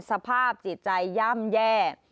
สภาพจิตใจย่ำแย่